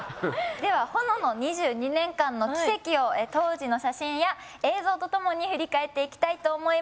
では保乃の２２年間の軌跡を当時の写真や映像とともに振り返っていきたいと思います。